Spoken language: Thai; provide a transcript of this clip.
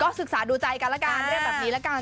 ก็ศึกษาดูใจกันละกันได้แบบนี้ละกัน